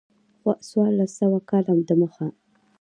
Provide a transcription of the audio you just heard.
څوارلس سوه کاله د مخه.